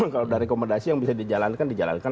memang kalau ada rekomendasi yang bisa dijalankan dijalankan